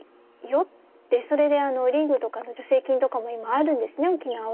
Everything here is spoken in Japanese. それでリングとかの助成金とかも今あるんですね沖縄は。